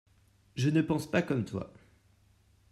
Je ne pense pas comme toi.